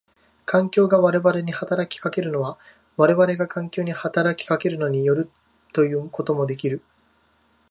環境が我々に働きかけるのは我々が環境に働きかけるのに依るということもできる。